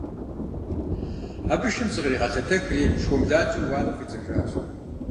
Абы шым зыкъригъэлъэтэхри шхуэмылакӀэр уанэм фӀидзэжащ.